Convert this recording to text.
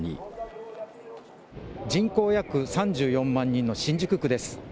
人口約３４万人の新宿区です。